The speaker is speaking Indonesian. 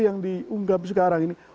yang diunggap sekarang ini